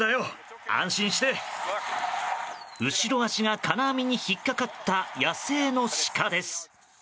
後ろ脚が金網に引っかかった野生のシカです。